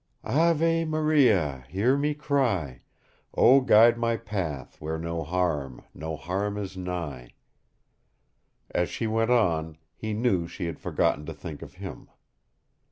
"Ave, Maria, hear my cry! O, guide my path where no harm, no harm is nigh " As she went on, he knew she had forgotten to think of him.